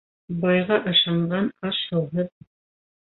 Байға ышанған аш-һыуһыҙ